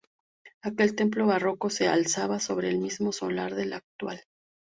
Aquel templo barroco se alzaba sobre el mismo solar del actual.